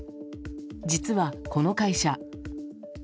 実はこの会社。